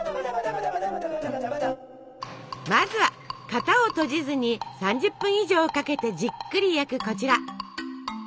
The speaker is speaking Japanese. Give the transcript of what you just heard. まずは型を閉じずに３０分以上かけてじっくり焼くこちら！